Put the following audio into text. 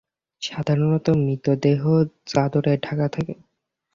সাধারণত মৃতদেহ চাদরে ঢাকা থাকে।